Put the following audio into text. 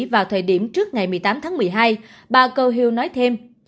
vào thời điểm trước ngày một mươi tám tháng một mươi hai bà gohil nói thêm